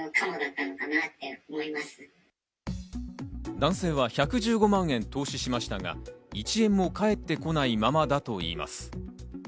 男性は１１５万円投資しましたが１円も返ってこないままだといいます。